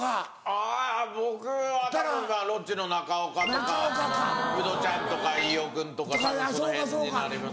あぁ僕はたぶんロッチの中岡とかウドちゃんとか飯尾君とかたぶんその辺になりますね。